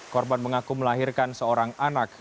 korban mengaku melahirkan seorang anak